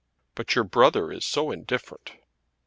"But your brother is so indifferent."